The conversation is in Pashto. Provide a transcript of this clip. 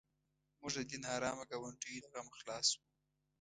موږ د دې نارامه ګاونډیو له غمه خلاص شوو.